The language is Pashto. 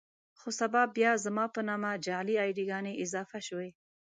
خو سبا بيا زما په نامه جعلي اې ډي ګانې اضافه شوې.